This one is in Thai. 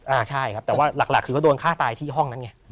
อ่าใช่ครับแต่ว่าหลักคือเขาโดนฆ่าตายที่ห้องนั้นไง